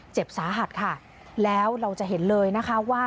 เจ็บสาหัสค่ะแล้วเราจะเห็นเลยนะคะว่า